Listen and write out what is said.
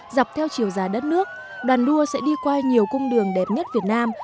dọc theo chiều dài đất nước đoàn đua sẽ đi qua nhiều cung đường đẹp nhất việt nam